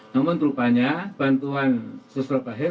namun rupanya bantuan sosro fahir